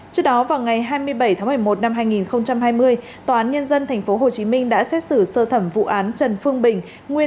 trước đó vào ngày hai mươi bảy tháng một mươi một năm hai nghìn hai mươi tòa án nhân dân tp hcm đã xét xử sơ thẩm vụ án trần phương bình